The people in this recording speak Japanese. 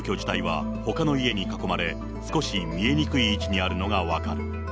住宅街の中だが、住居自体はほかの家に囲まれ、少し見えにくい位置にあるのが分かる。